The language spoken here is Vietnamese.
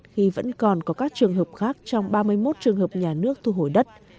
khi vẫn còn có các trường hợp khác trong ba mươi một trường hợp nhà nước thu hồi đất